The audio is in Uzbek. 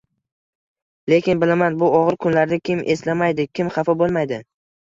Lekin bilaman, bu og'ir kunlarda kim eslamaydi, kim xafa bo'lmaydi